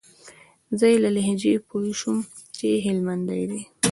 زه يې له لهجې پوه سوم چې هلمندى دى.